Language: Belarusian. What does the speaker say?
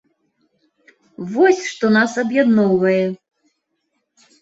Вось што нас аб'ядноўвае.